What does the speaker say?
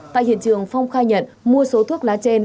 tại hiện trường phong khai nhận mua số thuốc lá trên